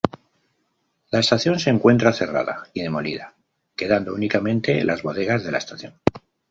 La estación se encuentra cerrada y demolida, quedando únicamente las bodegas de la estación.